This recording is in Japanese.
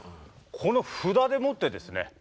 この札でもってですね